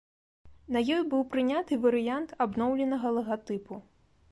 На ёй быў прыняты варыянт абноўленага лагатыпу.